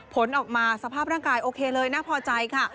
ผลออกมาสภาพร่างกายโอเคเลยน่าพอใจค่ะ